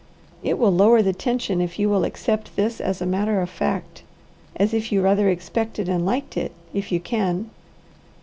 It will lower the tension, if you will accept this as a matter of fact; as if you rather expected and liked it, if you can."